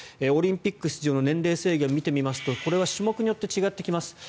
オリンピック出場の年齢制限を見てみますとこれは種目によって違ってきます。